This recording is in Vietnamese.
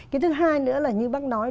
cái thứ hai nữa là như bác nói